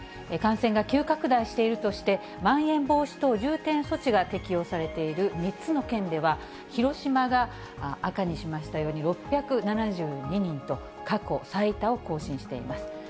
感染が急拡大しているとして、まん延防止等重点措置が適用されている３つの県では、広島が、赤にしましたように６７２人と、過去最多を更新しています。